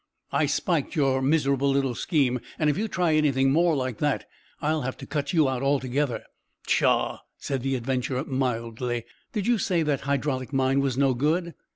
'" "I spiked your miserable little scheme, and if you try anything more like that, I'll have to cut you out altogether." "Pshaw!" said the adventurer, mildly. "Did you say that hydraulic mine was no good?